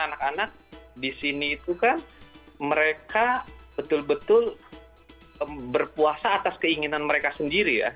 anak anak di sini itu kan mereka betul betul berpuasa atas keinginan mereka sendiri ya